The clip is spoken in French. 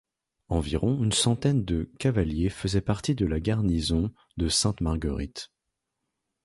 Environ une centaine de cavaliers faisait partie de la garnison de Sainte-Marguerite.